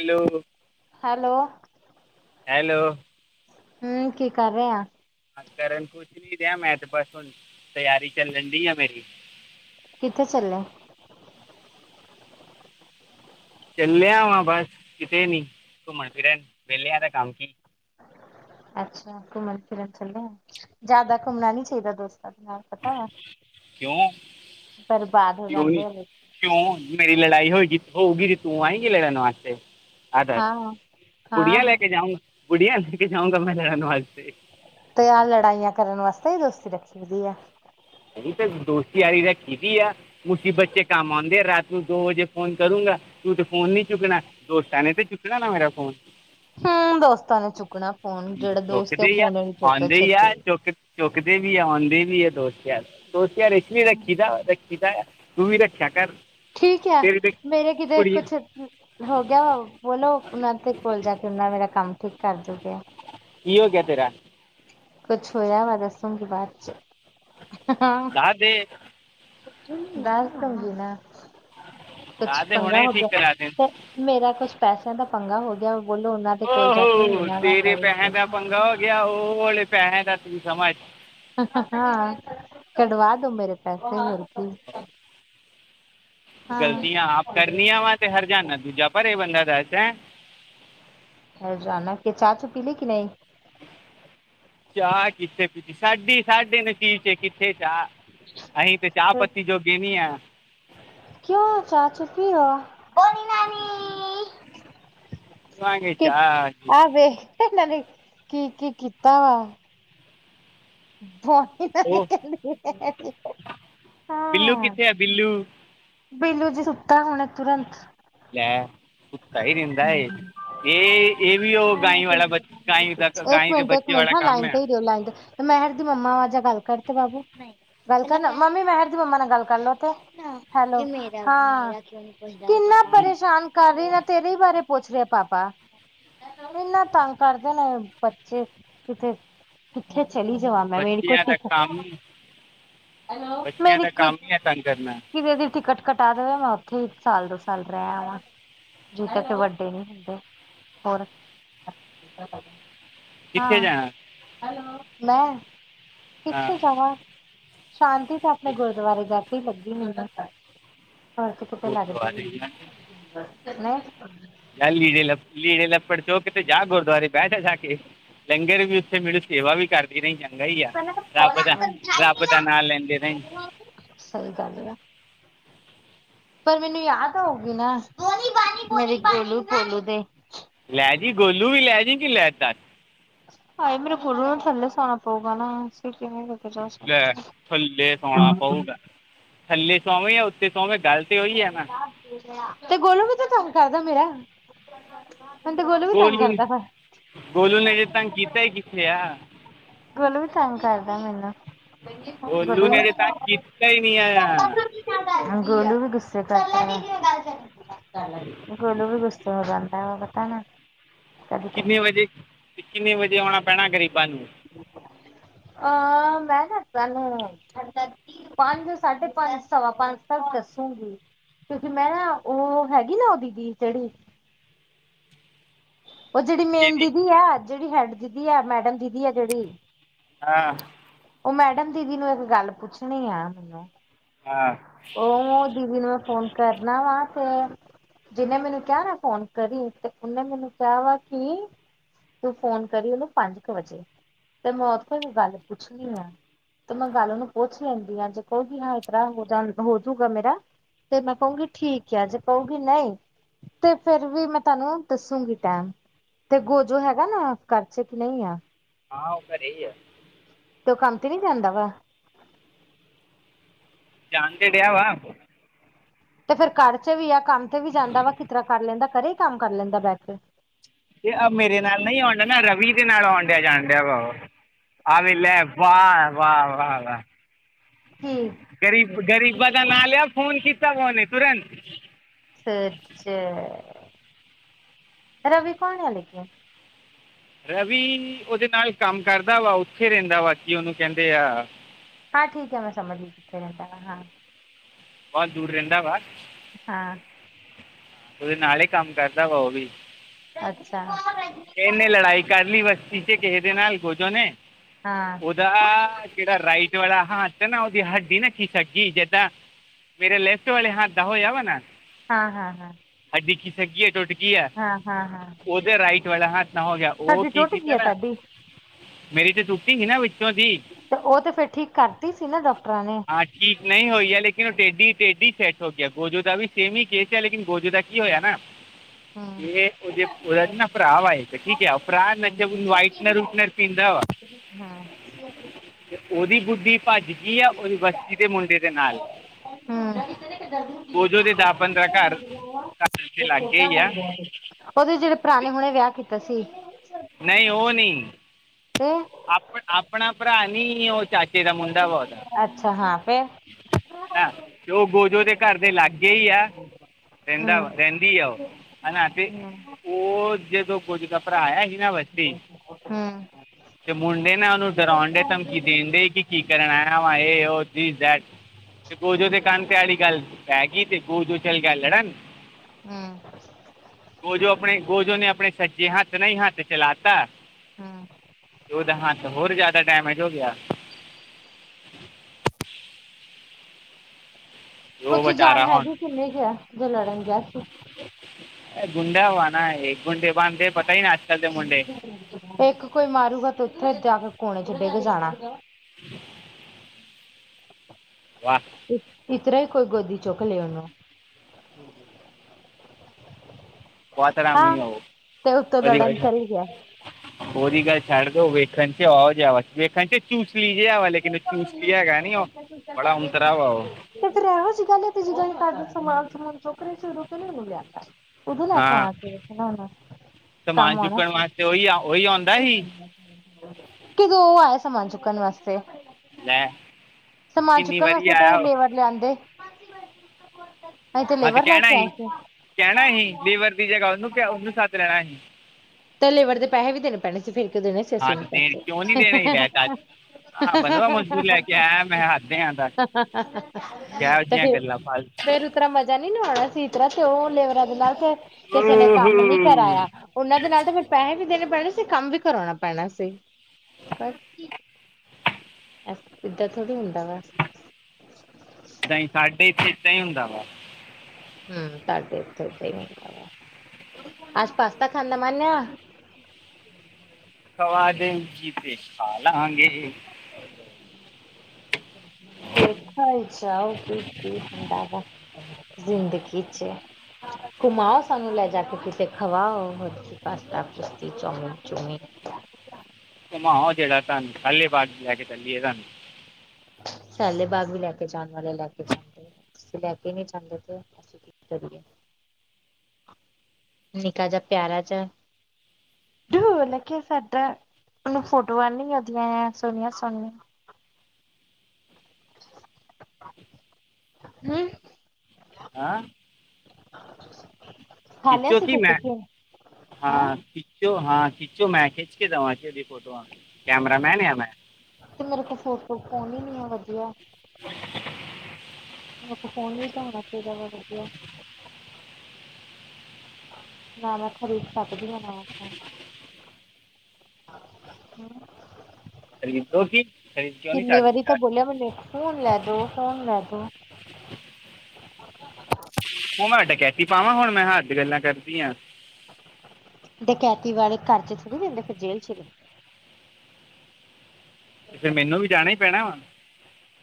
Hello hello hello ਹੂੰ ਕੀ ਕਰ ਰਿਹੇ ਆ। ਕਰਨ ਕੁਛ ਨੀ ਰਿਹਾ ਮੈ ਤੇ ਬਸ ਹੁਣ ਤਿਆਰੀ ਚੱਲਣ ਡੀ ਆ ਮੇਰੀ। ਕਿੱਥੇ ਚੱਲੇ? ਚੱਲਿਆ ਵਾਂ ਬਸ ਕਿਤੇ ਨੀ ਘੁੰਮਣ ਫਿਰਨ ਵਿਹਲਿਆ ਦਾ ਕੰਮ ਕੀ। ਅਛਾ ਘੁੰਮਣ ਫਿਰਨ ਚੱਲੇ ਹੋ ਜਾਦਾ ਘੁੰਮਣਾ ਨੀ ਚਾਹੀਦਾ ਦੋਸਤਾਂ ਦੇ ਨਾਲ। ਪਤਾ ਵਾ ਕਿਉਂ, ਬਰਬਾਦ ਹੋ ਕਿਉਂ ਨੀ? ਜਾਂਦੇ ਆ ਲੋਕ ਕਿਉ ਮੇਰੀ ਲੜਾਈ ਹੋਏਗੀ ਹੋਊਗੀ ਤੂੰ ਆਏਂਗੀ ਲੜਨ ਵਾਸਤੇ। ਆਡ ਹਾਂ ਬੁੜੀਆਂ ਹਾਂ ਲੈ ਕੇ ਜਾਊ, ਬੁੜੀਆਂ ਲੈਕੇ ਜਾਊ [unintelligible] ਲੜਨ ਵਾਸਤੇ। ਤੇ ਆਹ ਲੜਾਈਆਂ ਕਰਨ ਵਾਸਤੇ ਹੀ ਦੋਸਤੀ ਰੱਖੀ ਦੀ ਆ। ਇਹੀ ਤੇ ਦੋਸਤੀ ਯਾਰੀ ਰੱਖੀ ਦੀ ਆ। ਮੁਸੀਬਤ ਚ ਕੰਮ ਆਉਦੇ ਆ ਰਾਤ ਨੂੰ ਦੋ ਵਜੇ ਫੋਨ ਕਰੂੰਗਾ। ਤੂੰ ਤੇ ਫੋਨ ਨੀ ਚੁਕਣਾ ਦੋਸਤਾਂ ਨੇ ਤੇ ਚੁੱਕਣਾ ਨਾ ਮੇਰਾ ਫੋਨ- ਹਮ ਦੋਸਤਾਂ ਨੇ ਚੁੱਕਣਾ ਫੋਨ ਜਿਹੜਾ ਦੋਸਤ ਉਹ ਚੁੱਕਦੇ ਹੀ ਆ ਫੋਨ ਨੀ ਚੁੱਕਦੇ ਆਉਂਦੇ ਹੀ ਛੇਤੀ ਆ ਚੁੱਕ ਚੁੱਕਦੇ ਵੀ ਆ ਆਉਦੇ ਵੀ ਆ ਦੋਸਤ ਯਾਰ, ਦੋਸਤ ਯਾਰ ਏਕ ਇ ਰੱਖੀ ਦਾ ਵੇ ਰੱਖੀ ਦਾ ਯਾ ਤੂੰ ਵੀ ਰੱਖਿਆ ਕਰ ਠੀਕ ਆ, ਤੇਰੀ ਤੇ ਮੇਰੇ ਕਿਤੇ ਕੁੜੀ ਕੁਛ ਹੋ ਗਿਆ ਵਾ ਬੋਲੋ ਉਹਨਾਂ ਤੇ ਕੋਲ ਜਾ ਕੇ ਉਹਨਾ ਮੇਰਾ ਕੰਮ ਠੀਕ ਕਰ ਦਿਓ। ਕੀ ਹੋ ਗਿਆ ਤੇਰਾ- ਕੁਛ ਹੋਇਆ ਵਾ ਦੱਸੋ ਕੀ ਬਾਦ ਚ। ਆ ਦੇਖ ਬਹਿਸ ਹੋਗੀ ਨਾ, ਕੁਛ ਦੱਸ ਦੇ ਹੁਣੇ ਪੰਗਾ ਹੀ ਹੋ ਠੀਕ ਕਰਾ ਦੇ ਗਿਆ। ਮੇਰਾ ਕੁਛ ਪੈਸਿਆਂ ਦਾ ਪੰਗਾ ਹੋ ਗਿਆ, ਬੋਲੋ ਉਹਨਾ ਦੇ ਕੋਲ ਜਾ ਕੇ ਓਹੋ ਉਹਨਾਂ ਨਾਲ ਤੇਰੇ ਗੱਲ ਪੈਸੇ ਦਾ ਕ- ਪੰਗਾ ਹੋ ਉਹ ਹਲੇ ਪੈਹੇ ਦਾ ਤੁ ਸਮਾਂ- ਹਾਂ ਕਢਵਾ ਦੋ ਮੇਰੇ ਪੈਸੇ ਕੀ [unintelligible] ਹਾਂ ਗ਼ਲਤੀਆਂ ਆਪ ਕਰਨੀਆਂ ਵਾ ਤੇ ਹਰਜ਼ਾਨਾ ਦੂਜਾ ਪਰੇ ਬੰਦਾ ਦਸ ਹੈ। ਹਰਜਾਨਾ ਕੇ ਚਾਹ ਚੂ ਪੀ ਲੀ ਕਿ ਨੀ। ਚਾਹ ਕਿੱਥੇ ਪੀਤੀ ਸਾਡੀ ਸਾਡੇ ਨਸੀਬ ਕਿੱਥੇ ਚਾਹ ਅਹੀ ਤੇ ਚਾਹ ਪੱਤੀ ਜੋਗੇ ਨੀ ਹੈ। ਕਿਉਂ ਚਾਹ ਚ ਕੀ ਵ? ਵਾਂਗੇ ਕੀ ਚਾਹ ਆਹ ਵੇਖ ਨਾਲੇ ਕੀ-ਕੀ ਕੀਤਾ ਵਾ? [unintelligible] ਉਹ ਕਹਿੰਦੀ ਬਿੱਲੂ ਕਿੱਥੇ ਆ ਬਿੱਲੂ? ਬਿੱਲੂ ਜੀ ਸੁੱਤਾ ਹੁਣ ਤੁਰੰਤ ਲੈ ਸੁੱਤਾ ਹੀ ਰਹਿੰਦਾ ਇਹ ਇਹ ਇਹ ਵੀ ਉਹ ਗਾਈ ਵਾਲਾ ਗਾਈ ਇੱਕ ਦੇ ਮਿੰਟ ਇੱਕ ਬੱਚੇ ਮਿੰਟ ਵਾਲਾ ਹਾਂ ਕੰਮ ਲਾਈਨ ਆ। ਤੇ ਹੀ ਰਿਓ ਲਾਈਨ ਤੇ ਮਹਿਰ ਦੀ ਮੰਮਾ ਵਜ ਗੱਲ ਕਰ ਤੇ ਬਾਬੂ- ਗੱਲ ਕਰਨਾ ਮੰਮੀ ਮਹਿਰ ਦੀ ਮੰਮਾ ਨਾਲ ਗੱਲ ਕਰਲੋ ਤੇ- ਹੈਲੋ ਹਾਂ ਕਿੰਨਾ [unintelligible] ਜਾਣਕਾਰ ਰਹੀ ਨਾ ਤੇਰੇ ਹੀ ਬਾਰੇ ਪੁੱਛ ਰਹੇ ਪਾਪਾ ਇੰਨਾ ਤੰਗ ਕਰਦੇ ਨੇ ਬੱਚੇ ਕਿਤੇ ਕਿੱਥੇ ਚਲੀ ਜਾਵਾਂ ਮੈਂ ਮੇਰੇ ਕੋਲ ਬੱਚਿਆਂ ਦਾ ਟਿਕਟ ਕੰਮ ਬੱਚਿਆਂ ਮੇਰੀ ਦਾ ਕੁ ਕੰਮ ਹੀ ਆ ਤੰਗ ਕਰਨਾ ਕਿ ਦੀ ਟਿਕਟ ਕਟਾ ਦੇਵੇ ਮੈਂ ਉੱਥੇ ਹੀ ਸਾਲ ਦੋ ਸਾਲ ਰਹਿ ਵਾਂ। ਜਦੋ ਤੱਕ ਵੱਡੇ ਨੀ ਹੁੰਦੇ ਹੋਰ ਕਿੱਥੇ ਹਾਂ ਜਾਣਾ ਮੈਂ ਹਾਂ ਕਿਥੇ ਜਾਵਾ? ਸ਼ਾਂਤੀ ਤੇ ਆਪਣੇ ਗੁਰਦੁਆਰੇ ਜਾ ਕੇ ਹੀ ਲੱਗੀ ਮੈਨੂੰ। ਹੋਰ ਤੇ ਕਿਤੇ ਲੱਗਦੀ ਗੁਰਦੁਆਰੇ ਨੀ ਜਾਣਾ ਜਾ ਲੀੜੇ ਲ ਲੀੜੇ ਲੱਪੜ ਚੌ ਕੇ ਤੇ ਜਾ ਗੁਰਦੁਆਰੇ ਬੈਠ ਜਾ ਕੇ। ਲੰਗਰ ਵੀ ਉੱਥੇ ਮਿਲੂ, ਸੇਵਾ ਵੀ ਕਰ ਰਾਹੀਂ ਚੰਗਾ ਹੀ ਆ ਰੱਬ ਦਾ ਰੱਬ ਦਾ ਨਾਂ ਲੈਂਦੇ ਰਹੀਂ। ਸਹੀ ਗੱਲ ਆ ਪਰ ਮੈਨੂੰ ਯਾਦ ਆ ਹੋਊਗੀ ਨਾ, ਮੇਰੇ ਗੋਲੂ ਗੋਲੂ ਦੇ। ਲੈ ਜੀ ਗੋਲੂ ਵੀ ਲੈ ਜੀ ਕਿ ਲੈ ਤ ਹਾਏ ਮੇਰੇ ਗੁਰੂ ਨੂੰ ਥੱਲੇ ਸਾਉਣਾ ਪਊਗਾ ਨਾ ਅਸੀਂ ਕਿਵੇਂ ਕਰ ਲੈ ਥੱਲੇ ਸੋਣਾ ਪਊਗਾ, ਥੱਲੇ ਸੋਵੇ ਜਾਂ ਉੱਥੇ ਸੋਵੇਂ ਗੱਲ ਤੇ ਹੋਈ ਹੈ ਨਾ ਤੇ ਗੋਲੋ ਵੀ ਤੇ ਤੰਗ ਕਰਦਾ ਮੇਰਾ ਹੁਣ ਤੇ ਗੋਲੋ ਵੀ ਤੰਗ ਗੋਲੂ ਕਰਦਾ ਵਾ ਗੋਲੂ ਨੇ ਅਜੇ ਤੰਗ ਕੀਤਾ ਹੀ ਕਿੱਥੇ ਆ ਗੋਲੂ ਵੀ ਤੰਗ ਕਰਦਾ ਮੈਨੂੰ [inaudible] ਗੋਲੂ ਨੇ ਅਜੇ ਤੰਗ ਕੀਤਾ ਹੀ ਨਹੀਂ ਆ [unintelligible] ਗੋਲੂ ਵੀ ਗੁੱਸੇ ਕਰਦਾ ਨਾਂ, ਗੋਲੂ ਵੀ ਗੁੱਸੇ ਹੋ ਜਾਂਦਾ ਉਹ ਪਤਾ ਨਾ ਕਦੀ ਕਿੰਨੇ ਕਦੀ ਵਜੇ, ਕਿੰਨੇ ਵਜੇ ਆਉਣਾ ਪੈਣਾ ਗਰੀਬਾਂ ਨੂੰ। ਅਹ ਮੈਂ ਦੱਸਾ ਨੂੰ [unintelligible] ਪੰਜ, ਸਾਢੇ ਪੰਜ, ਸਵਾ ਪੰਜ ਤੱਕ ਦੱਸੂਗੀ। ਕਿਉਂਕਿ ਮੈਂ ਨਾ, ਉਹ ਹੈਗੀ ਨਾ ਦੀਦੀ ਜੇੜੀ ਉਹ ਜਿਹੜੀ ਮੇਨ ਕਿਹਦੀ ਦੀਦੀ ਆ, ਜਿਹੜੀ ਹੈਡ ਦੀਦੀ ਆ, ਮੈਡਮ ਦੀਦੀ ਆ ਜਿਹੜੀ। ਐਂ ਉਹ ਮੈਡਮ ਦੀਦੀ ਨੂੰ ਇੱਕ ਗੱਲ ਪੁੱਛਣੀ ਆ। ਮੈਨੂੰ ਹਾਂ ਉਹ ਨਾਂ ਦੀਦੀ ਨੂੰ ਮੈਂ ਫੋਨ ਕਰਨਾ ਵਾ ਤੇ ਜਿਹਨੇ ਮੈਨੂੰ ਕਿਹਾ ਨਾ ਫੋਨ ਕਰੀ ਤੇ ਉਹਨੇ ਮੈਨੂੰ ਕ ਵਾ ਕਿ ਤੂੰ ਫੋਨ ਕਰੀ ਉਨੂੰ ਪੰਜ ਕੁ ਵਜੇ ਤੇ ਮੈਂ ਉੱਥੇ ਵੀ ਗੱਲ ਪੁੱਛਣੀ ਆ। ਤੇ ਮੈਂ ਗੱਲ ਉਹਨੂੰ ਪੁੱਛ ਲੈਂਦੀ ਆਂ ਜੇ ਕੋੋਗੀ ਹਾਂ ਇਤਰਾ ਹੋ ਹੋਜੂਗਾ ਮੇਰਾ ਤੇ ਮੈਂ ਕਹੂੰਗੀ ਠੀਕ ਆ ਜੇ ਕਹੂਗੀ ਨਈਂ ਤੇ ਫੇਰ ਵੀ ਮੈਂ ਤੁਹਾਨੂੰ ਦੱਸੂੰਗੀ। ਟਮ ਤੇ ਗੋਜੋ ਹੈਗਾ ਨਾ ਘਰਚੇ ਕਿ ਨਈਂ ਆ। ਹਾਂ ਉਹ ਘਰੇ ਈ ਆ। ਤ ਕੰਮ ਤੇ ਨੀ ਜਾਂਦਾ ਵਾ। ਜਾਣਕੇ ਡਿਆ ਵਾ ਤੇ ਫੇਰ ਘਰ ਚ ਵੀ ਆ ਕੰਮ ਤੇ ਵੀ ਜਾਂਦਾ ਵਾ, ਕਿਸ ਤਰ੍ਹਾਂ ਕਰ ਲੈਂਦਾ ਘਰੇ ਈ ਕੰਮ ਕਰ ਲੈਂਦਾ ਬੈਅ ਕੇ। ਤੇ ਆ ਮੇਰੇ ਨਾਲ ਨਈਂ ਆਉਣ ਡਿਆ ਨਾ, ਰਵੀ ਦੇ ਨਾਲ ਆਉਣ ਡਿਆ ਜਾਣ ਡਿਆ ਵਾ ਉਹ। ਆ ਵੇਲੇੈ, ਵਾਹ ਵਾ ਵਾ ਵਾ ਕੀ ਗਰੀਬ ਗਰੀਬਾਂ ਦਾ ਨਾਂ ਲਿਆ ਫੋਨ ਕੀਤਾ ਕੋਂ ਨੀਂ ਤੁਰੰਤ। ਅਛਾ, ਰਵੀ ਕਣ [unintelligible] ਰਵੀ ਉਹਦੇ ਨਾਲ ਕੰਮ ਕਰਦਾ ਵਾ ਉੱਥੇ ਰਹਿੰਦਾ ਵਾ ਕੀ ਉਹਨੂੰ ਕਹਿੰਦੇ ਆ ਹਾਂ ਠੀਕ ਏ ਮੈਂ ਸਮਝਗੀ, ਕਿੱਥੇ ਰਹਿੰਦਾ ਵਾ ਹਾਂ। ਬਹੁਤ ਦੂਰ ਰਹਿੰਦਾ ਵਾ। ਹਾਂ। ਤੁਦੇ ਨਾਲ ਹੀ ਕੰਮ ਕਰਦਾ ਵਾ ਉਹ ਵੀ। ਅੱਛਾ। ਏਨੇ ਲੜਾਈ ਕਰਨੀ ਮਸਤੀ ਚ ਕਿਹੇ ਦੇ ਨਾਲ ਗੋਜੋ ਨੇ ਹਾਂ ਦਾ ਜੇੜਾ ਰਾਈਟ ਵਾਲਾ ਹੱਥ ਨਾ, ਓਦੀ ਹੱਡੀ ਨਾ ਖੀਸਕ ਗੀ ਜੱਦਾ ਮੇਰੇ ਲੈਫਟ ਵਾਲੇ ਹੱੱਥ ਦਾ ਹੋਯਾ ਵਾ ਨਾ ਹਾਂ, ਹਾਂ, ਹਾਂ। ਹੱਡੀ ਖਿਸਕ ਗੀ ਟੋਡੀ ਕੀ ਐ, ਹਾਂ ਹਾਂ ਓਦੇ ਰਾਈਟ ਵਾਲਾ ਹੱਥ ਨਾ ਹੋ ਗਿਆ ਓ ਸਾਡੀ ਕੀ ਟੁੱਟ ਗਈ ਕੀਤਾ ਆ ਨਾ ਤੁਹਾਡੀ ਮੇਰੀ ਤੇ ਟੁੱਟੀ ਹੀ ਨਾ ਦੀ ਤੇ ਓ ਤੇ ਫੇਰ ਠੀਕ ਕਰਤੀ ਸੀ ਨਾ ਡੋਕਟਰਾਂ ਨੇ। ਹਾਂ ਠੀਕ ਨਹੀਂ ਹੋਈ ਹੈ ਲੇਕਿਨ ਓ ਟੇਡੀ, ਟੇਡੀ ਸੈੱਟ ਹੋ ਗਿਆ ਗੋਜੂ ਦਾ ਵੀ ਸੇਮ ਹੀ ਕੇਸ ਹੈ ਲੇਕਿਨ ਗੋਜੂ ਦਾ ਕੀ ਹੋਇਆ ਨਾ [unintelligible] ਹੂੰ ਹੂੰ ਹੂੰ ਤੇ ਓਦੀ ਬੁੱਧੀ ਪੱਜ ਗਈ ਆ ਓਦੀ ਬਸਤੀ ਦੇ ਮੁੰਡੇ ਦੇ ਨਾਲ, ਗੋਜੂ ਦੇ ਦਾ-ਪੰਦਰਾਂ ਘਰ- ਘਰ ਦੇ ਲਾਗੇ ਹੀ ਆ ਓਦੇ ਜੇੜੇ ਭਰਾ ਨੇ ਹੁਣੇ ਵਿਆਹ ਕੀਤਾ ਸੀ। ਨਹੀ ਓ ਨੀ, ਤੇ ਆਪ ਆਪਣਾ ਭਰਾ ਨੀ, ਓ ਚਾਚੇ ਦਾ ਮੁੰਡਾ ਵਾ ਅੱਛਾ ਹਾਂ, ਫੇ ਹਨਾ, ਤੇ ਓ ਗੋਜੂ ਦੇ ਘਰ ਦੇ ਲਾਗੇ ਹੀ ਆ, ਰੈਂਦਾ, ਹੂੰ ਰੈੰਹਦੀ ਆ ਓ, ਹਨਾ ਤੇ ਹੂੰ ਓ ਜਦੋ ਗੋਜੂ ਦਾ ਭਰਾ ਆਇਆ ਸੀ ਨਾ ਵਦੀ ਹੂੰ। ਤੇ ਮੁੰਡੇ ਨਾ ਓਨੂੰ ਡਰਾਉਣ ਡੇ, ਧਮਕੀ ਦੇਣ ਡੇ, ਕਿ ਕੀ ਕਰਨ ਆਇਆ ਵਾ ਏ, ਓ ਤੇ ਗੋਜੂ ਦੇ ਕੰਨ ਤੇ ਅ ਜੇਹੜੀ ਗੱਲ ਪੈ ਗਈ, ਤੇ ਗੋਜੂ ਚੱਲ ਗਿਆ ਲੜਨ, ਹੂੰ। ਗੋਜੋ ਆਪਣੇ ਗੋਜੋ ਨੇ ਅਪਣੇ ਸੱਜੇ ਹੱਥ ਨਾਲ ਹੀ ਹੱਥ ਚਲਾਤਾ। ਹਾਂ ਓਦਾ ਹੱਥ ਹੋਰ ਜਾਦਾ ਡੈਮੇਜ ਹੋ ਗਿਆ। ੳੁੱਚ ਜਾਨ ਹੈਗੀ, ਕਿੰਨੀ ਕੇਹਾ ਜੋ ਲੜਨ ਗੇਆ ਸੀ। ਏ ਗੁੰਡਾ ਵਾ ਨਾ ਏਹ, ਗੁੰਡੇ ਬਨਦੇ ਪਤਾ ਹੀ ਨਾ ਅੱਜ-ਕਲ ਦੇ ਮੁੁੰਡੇ, ਏੱਕ ਕੋਈ ਮਾਰੂਗਾ ਤੇ ਉੱਥੇ-ਜਾਕੇ ਕੋਣੇ ਚੱ ਡੇੱਗ ਜਾਣਾ। ਵਾਹ ਇਤਰਾ ਹੀ ਕੋਈ ਗੋਦੀ ਚੋਕ ਲਏ ਓਨੂੰ। [unintelligible] ਹਾਂ ਤੇ ਉੱਤੋਂ ਲੜਨ ਚੱਲ ਗਿਆ। ਓਦੀ ਗੱਲ ਛੱਡ ਦਓ, ਵੇਖਣ ਚ ਓ ਜਾ, ਵੇਖਣ ਚ ਚੂਸਲੀ ਜੇਹਾ ਵਾ, ਲੇਕਨ ਚੂਸਲੀ ਹੈਗਾ ਨੀ ਓ, ਬੜਾ [unintelligible] ਵਾ ਓ। ਤੇ ਫੇਰ ਐਹੋ ਜੀ ਗੱਲ ਐ ਤੇ ਜਦੋ [unintelligible] ਸਮਾਨ ਸਮੁਨ ਚੋਕ ਰਏ ਸੀ ਓਦੋ ਕਿਓ ਨੀ ਓਨੂੰ ਲਿਯਾਤਾ। ਉਦੋਂ ਲੈ ਕੇ ਹਾਂ ਆਣਾ ਚਾਈਦਾ ਓਨਾ, ਸਮਾਨ ਕੰਮ ਓਣਾ ਚੁੱਕਣ ਵਾਸਤੇ ਉਹੀ ਆ- ਉਹੀ ਆਉਂਦਾ ਸੀ ਕਿਦੋਂ ਓਹ ਆਏ ਸਮਾਨ ਚੁੱਕਨ ਵਾਸਤੇ। ਲੈ ਸਮਾਜ ਕਿੰਨੀ ਚੁੱਕਣ ਵਾਰੀ ਵਾਸਤੇ ਤਾ ਆਇਆ ਏ ਉਹ। ਲੇਵਰ ਲਿਆਂਦੇ। ਅਸੀਂ ਹਾਂ ਤੇ ਲੇਬਰ ਲੈ ਕੈਣਾ ਕੇ ਆਏ ਹੀ, ਸੀ। ਕੈਣਾ ਹੀ ਲੇਵਰ ਦੀ ਜਗਾ ਓਨੂੰ, ਓਨੂੰ ਸੱਦ ਲੈਣਾ ਹੀ। ਤੇ ਲੇਵਰ ਦੇ ਪੈਹੇ ਵੀ ਦੇਣੇ ਪੈਣੇ ਸੀ ਫੇਰ ਕਿ [unintelligible] ਸੀ ਹਾਂ ਤੇ ਪੈਸੇ। ਹਾਂ ਬਨਵਾ ਮੋਜਦੂਰ ਲੈ ਕੇ ਆਇਆ ਮੈਂ ਹੱਦੇ ਆ ਤਾ, ਪੈਸੇ। ਕੋਹੋ ਜੇਹੀ ਗੱਲਾਂ ਫਾ ਤਰਾ ਮਜਾ ਨੀ ਨਾ ਆਣਾ ਸੀ ਇਤਰਾ ਤੇ, ਓ ਲੇਵਰਾ ਦੇ ਨਾਲ ਫੇ ਕਿਸੇ ਨੇ ਕੰਮ ਨੀ ਕਰਾਯਾ। ਓਨਾਂ ਦੇ ਨਾਲ ਤਾ ਫਿਰ ਪੈਹੇ ਵੀ ਦੇਣੇ ਪੈਣੇ ਸੀ ਕੰਮ ਵੀ ਕਰਾਓਣਾ ਪੈਣਾ ਸੀ, ਬ ਏ ਇਦਾ ਥੋੜੀ ਹੁੰਦਾ ਵਾ। ਦ ਹੀ ਸਾਡੇ ਇੱਥੇ ਏਦਾਂ ਹੀ ਹੁੰਦਾ ਵਾ। ਹਮ ਤੁਹਾਡੇ ਇੱਦਾ ਹੀ ਹੰਦਾ ਅੱਜ ਪਾਸਤਾ ਖਾਂਦਾ ਮੰਨ ਆ। ਖਵਾ ਦੇ ਗੀ ਤੇ ਖਾਲਾਂਗੇ। ਦੇਖਲੋ ਚਲੋ ਕੀ ਕੀ ਠੰਡਾ। ਜ਼ਿੰਦਗੀ ਚ ਘੁਮਾਓ ਸਾਨੂੰ ਲੈ ਜਾ ਕੇ ਕਿਤੇ ਖਵਾਓ ਹੋਰਕੀ ਪਾਸਤਾ ਕੁਸ਼ਤੀ ਚੋਮੀਨ ਚੂਮੀਨ। ਘੁਮਾਓ ਜਿਹੜਾ ਤੁਹਾਨੂੰ ਖਾਲੀ ਪਾਰਕ ਚ ਲੈਕੇ ਚੱਲੀਏ ਤੁਹਾਨੂੰ। ਸੈਲੇਬਾਗ ਵੀ ਲੈ ਕੇ ਜਾਣ ਵਾਲੇ ਲੈ ਕੇ ਜਾਂਦੇ। ਤੁਸੀਂ ਲੈ ਕੇ ਨਈਂ ਜਾਂਦੇ ਤੇ ਅਸੀਂ ਕੀ ਕਰੀਏ। ਨਿੱਕਾ ਜਿਹਾ ਪਿਆਰਾ ਚ ਡੂ ਲੱਕੇਆ ਸਾਡਾ ਉਹਨੂੰ ਫੋਟੋਆਂ ਨੀਂ ਆਂਦੀਆਂ ਸੁਹਣੀਆਂ ਸੋਹਣੀਆਂ। ਹਂ। ਹੈਂ। [inaudible] ਖਾ ਲਿਆ ਇਚੋਂ ਸੀ ਕੀ ਫਿਰ ਮੈਂ, ਟਿਫਿਨ ਹੈਂ ਹਾਂ ਖਿੱਚੋ ਹਾਂ ਖਿੱਚੋ, ਮੈਂ ਖਿੱਚ ਕੇ ਦਵਾ ਤੇਰੀ ਫੋਟੋਆਂ ਕੈਮਰਾ ਮੈਨ ਆਂ ਮੈਂ। ਤੇ ਮੇਰੇ ਕੋ ਫੋਟੋ ਫੋਨ ਈ ਨਈ ਏ ਵਧੀਆ। [unintelligible] ਫੋਨ ਯ ਹੋਣਾ ਚਾਈਦਾ ਵਾ ਵਧੀਆ। ਨਾ ਮੈਂ ਖਰੀਦ ਸਕੱਦੀ ਆ ਨਯਾ ਫੋਨ ਹਂ ਖਰੀਦੋਗੀ ਖਰੀਦ ਕਿਉਂ ਨਹੀਂ ਕਿੰਨੀ ਸਕਦੀ ਵਾਰੀ ਤਾਂ ਦੱਸ ਬੋਲਿਆ ਮੈਨੂੰ ਇੱਕ ਫੋਨ ਲੈ ਦੋ, ਫੋਨ ਲੈ ਦੋ। [unintelligible] ਉਹ ਮੈਂ ਡਕੈਤੀ ਪਾਵਾਂ, ਹੁਣ ਮੈਂ ਹੱਦ ਗੱਲਾਂ ਕਰਦੀ ਆਂ। ਡਕੈਤੀ ਵਾਲੇ ਘਰ ਚ ਥੋੜ੍ਹੀ ਰਿੰਦੇ ਫਿਰ ਜੇਲ੍ਹ ਚ ਤੇ ਫੇਰ ਮੈਨੂੰ ਵੀ ਜਾਣਾ ਈ ਪੈਣਾ ਆ।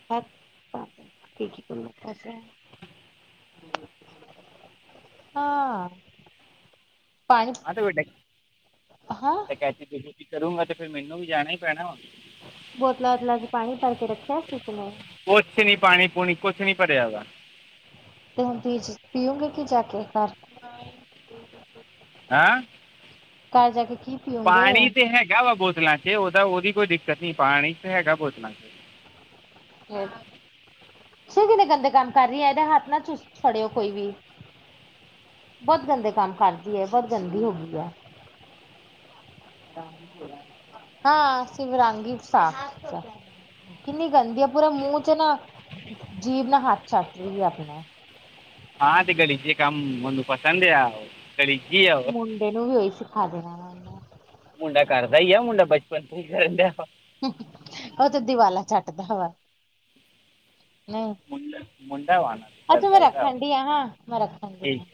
[unintelligible] ‌ [inaudible] ਹਾਂ। ਪਾਣੀ ਆਂ ਤੇ ਵੱਡਾ ਹਾਂ [unintelligible] ਕਰੂੰਗਾ ਤੇ ਫੇਰ ਮੈਨੂੰ ਵੀ ਜਾਣਾ ਈ ਪੈਣਾ ਵਾ। ਬੋਤਲਾਂ ਵੋਤਲਾਂ ਚ ਪਾਣੀ ਭਰ ਕੇ ਰੱਖਿਆ ਸੀ ਕਿ ਨਈਂ। ਕੁਛ ਨੀ ਪਾਣੀ ਪੂਣੀ ਕੁਛ ਨੀ ਭਰਿਆ ਦਾ। ਤੇ ਹੁਣ [unintelligible] ਪੀ ਪੀਉਂਗੇ ਕਿ ਜਾ ਕੇ ਘਰ? ਹੈਂ। ਘਰ ਜਾ ਕੇ ਕੀ ਪੀਓਗੇ ਪਾਣੀ ਤੇ ਹੈਗਾ ਵਾ ਬੋਤਲਾਂ ਚ, ਉਹਦਾ ਉਹਦੀ ਕੋਈ ਦਿੱਕਤ ਨੀ ਪਾਣੀ ਤੇ ਹੈਗਾ ਬੋਤਲਾਂ ਚ। [unintelligible] ਸੀ ਕਿ ਗੰਦੇ ਕੰਮ ਕਰ ਰਹੀ ਐ, ਇਹਦੇ ਹੱਥ ਨਾ ਚ ਫੜਿਓ ਕੋਈ ਵੀ। ਬਹੁਤ ਗੰਦੇ ਕੰਮ ਕਰਦੀ ਏ, ਬਹੁਤ ਗੰਦੀ ਹੋ ਗਈ ਐ। ਹਾਂ ਸਿਰਫ ਰੰਗ ਈ ਸਾਫ [unintelligible] ਕਿੰਨੀ ਗੰਦੀ ਆ ਪੂਰਾ ਮੂੰਹ ਚ ਨਾ, ਜੀਭ ਨਾ ਹੱਥ ਚੱਟ ਰਹੀ ਏ ਆਪਣਾ। ਹਾਂ ਤੇ ਗਲੀਜੀ ਕੰਮ ਮੈਨੂੰ ਪਸੰਦ ਆ ਉਹ ਗਲੀਜੀ ਆ ਉਹ। ਇਨੂੰ ਵੀ ਉਹੀ ਸਿੱਖਾ ਦੇਣਾ। ਵਾ ਮੁੰਡਾ ਕਰਦਾ ਈ ਆ, ਮੁੰਡਾ ਬਚਪਨ ਤੋਂ ਈ ਕਰਨ ਡਿਆਂ ਵਾ। [unintelligible] ਉਹ ਤੇ ਦੀਵਾਲਾ ਚੱਟਦਾ ਵਾ। ਨਈਂ, ਮੁੰਡਾ ਮੁੰਡਾ ਵਾ ਨਾ ਕਰ ਅੱਛਾ ਮੈਂ ਸਕਦਾ ਰੱਖਣ ਉਹ ਡਈ ਆਂ, ਮੈਂ ਰੱਖਣ ਡਈ ਠੀਕ ਆਂ।